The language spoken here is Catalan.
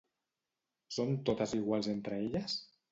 Són totes iguals entre elles?